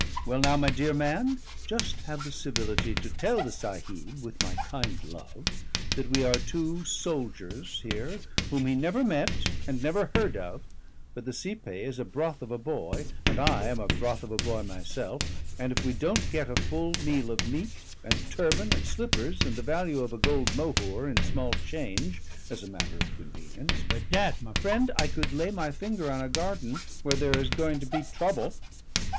Well, now, my dear man, just have the civility to tell the Sahib, with my kind love, that we are two soldiers here whom he never met and never heard of, but the cipaye is a broth of a boy, and I am a broth of a boy myself; and if we don't get a full meal of meat, and a turban, and slippers, and the value of a gold mohur in small change as a matter of convenience, bedad, my friend, I could lay my finger on a garden where there is going to be trouble."